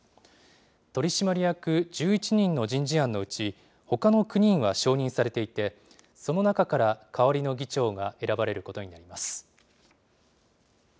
取締役１１人の人事案のうち、ほかの９人は承認されていて、その中から代わりの議長が選ばれることになります。